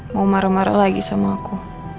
mau marah marah lagi sama aku